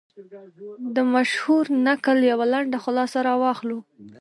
د مشهور نکل یوه لنډه خلاصه را واخلو.